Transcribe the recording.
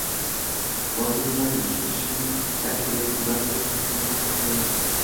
orzu-umidlarning ushalishini daraklayotgan baxtiyor damlar kutayotir